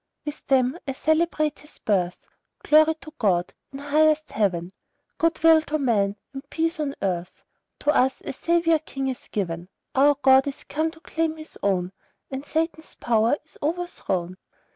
With them I celebrate His birth Glory to God, in highest Heaven, Good will to men, and peace on earth, To us a Saviour king is given; Our God is come to claim His own, And Satan's power is overthrown!